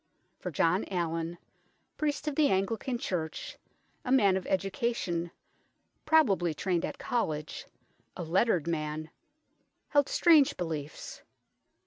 For John Allin, priest of the Anglican Church, a man of education, pro bably trained at college a lettered man held strange beliefs.